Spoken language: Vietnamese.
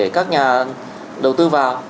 các nhà đầu tư vào